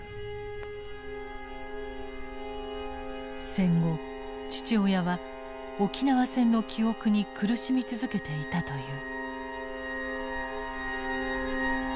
戦後父親は沖縄戦の記憶に苦しみ続けていたという。